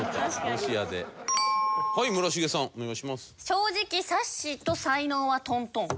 正直さっしーと才能はとんとん。